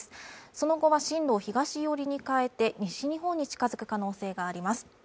その後は進路を東寄りに変えて西日本に近づく可能性があります